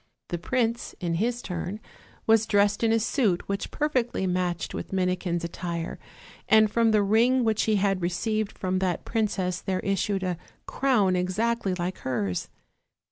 The prince in his turn was dressed in a suit which per fectly matched with Minikin's attire, and from the ring Avhich he had received from that princess there issued a crown exactly like hers.